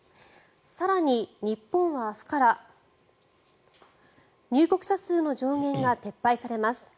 更に、日本は明日から入国者数の上限が撤廃されます。